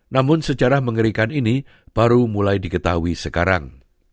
namun sejarah mengerikan ini baru mulai diketahui sekarang